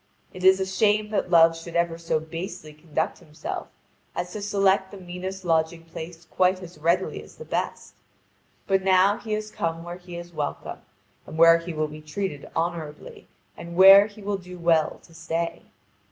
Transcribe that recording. It is a shame that Love should ever so basely conduct himself as to select the meanest lodging place quite as readily as the best. But now he has come where he is welcome, and where he will be treated honourably, and where he will do well to stay.